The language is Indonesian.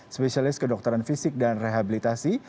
spesialis kedokteran fisik dan rehabilitasi